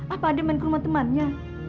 apa ada main ke rumah temannya